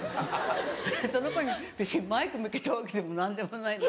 その子に別にマイク向けたわけでも何でもないのに。